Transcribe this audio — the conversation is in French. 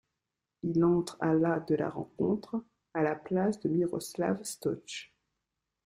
Il entre à la de la rencontre, à la place de Miroslav Stoch.